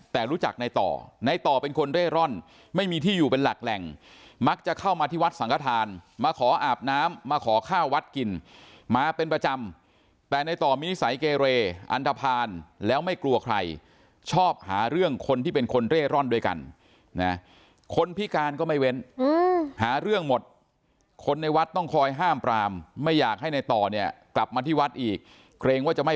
แต่รู้จักในต่อในต่อเป็นคนเร่ร่อนไม่มีที่อยู่เป็นหลักแหล่งมักจะเข้ามาที่วัดสังฆฐานมาขออาบน้ำมาขอข้าววัดกินมาเป็นประจำแต่ในต่อมีนิสัยเกเรอันทภาณแล้วไม่กลัวใครชอบหาเรื่องคนที่เป็นคนเร่ร่อนด้วยกันนะคนพิการก็ไม่เว้นหาเรื่องหมดคนในวัดต้องคอยห้ามปรามไม่อยากให้ในต่อเนี่ยกลับมาที่วัดอีกเกรงว่าจะไม่